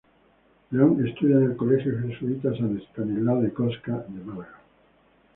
León estudió en el colegio Jesuita San Estanislao de Kostka de Málaga.